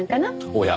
おや！